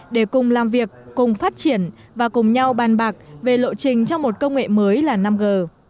để cùng làm việc cùng phát triển và cùng nhau bàn bạc về lộ trình cho một công nghệ mới là năm g